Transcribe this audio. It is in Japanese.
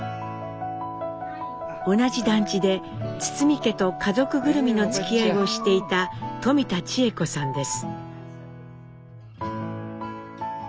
同じ団地で堤家と家族ぐるみのつきあいをしていた冨田千恵子さんです。